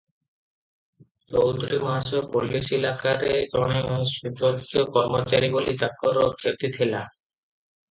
ଚୌଧୁରୀ ମହାଶୟ ପୋଲିସ ଇଲାକାରେ ଜଣେ ସୁଯୋଗ୍ୟ କର୍ମଚାରୀ ବୋଲି ତାଙ୍କର ଖ୍ୟାତି ଥିଲା ।